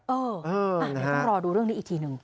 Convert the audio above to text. เดี๋ยวต้องรอดูเรื่องนี้อีกทีหนึ่ง